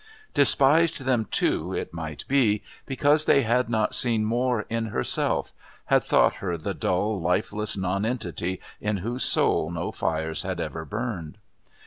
Despised them too, it might be, because they had not seen more in herself, had thought her the dull, lifeless nonentity in whose soul no fires had ever burned.